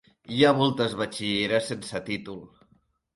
Hi ha moltes batxilleres sense títol.